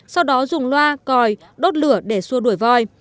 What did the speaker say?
sau đó dùng loa còi đốt lửa để xua đuổi voi